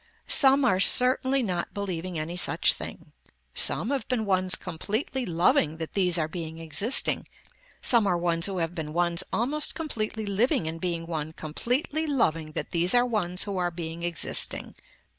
Some are certainly not believing any such thing. Some have been ones completely loving that these are being existing, some are ones who have been ones almost completely living in being one completely loving that these are ones who are being existing.